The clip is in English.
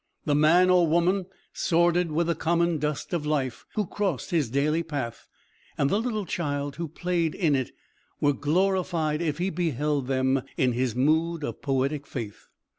The man or woman, sordid with the common dust of life, who crossed his daily path, and the little child who played in it, were glorified if he beheld them in his mood of poetic faith.